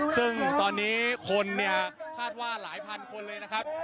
ทันทีคนเนี่ยภาดว่าหลายพันคนเลยนะครับ